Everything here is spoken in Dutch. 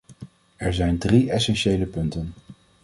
Er zijn drie essentiële punten.